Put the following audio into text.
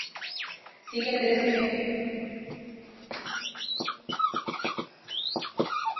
Siguen tres ejemplos notables del uso de la plata en heráldica.